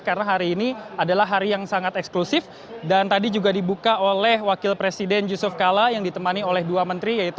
karena hari ini adalah hari yang sangat eksklusif dan tadi juga dibuka oleh wakil presiden yusuf kala yang ditemani oleh dua menteri yaitu